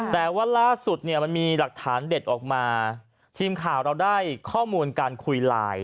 แต่ว่าล่าสุดเนี่ยมันมีหลักฐานเด็ดออกมาทีมข่าวเราได้ข้อมูลการคุยไลน์